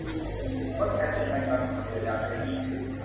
รถใครสัญญาณกันขโมยดังเนี่ย